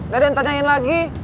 deden tanyain lagi